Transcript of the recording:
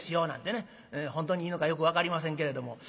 本当にいいのかよく分かりませんけれども宣伝してはります。